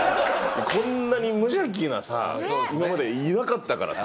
こんなに無邪気なさ今までいなかったからさ。